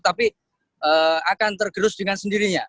tapi akan tergerus dengan sendirinya